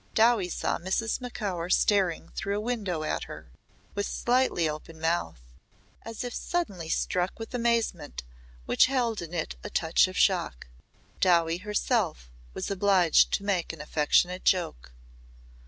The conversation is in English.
Dowie saw Mrs. Macaur staring through a window at her, with slightly open mouth, as if suddenly struck with amazement which held in it a touch of shock. Dowie herself was obliged to make an affectionate joke.